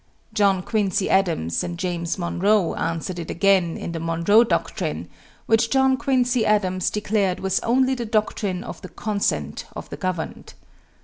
John Quincy Adams and James Monroe answered it again in the Monroe Doctrine, which John Quincy Adams declared was only the doctrine of the consent of the governed.